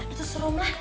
itu serem lah